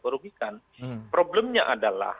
merugikan problemnya adalah